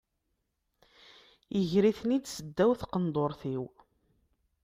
Iger-iten-id seddaw n tqendurt-iw.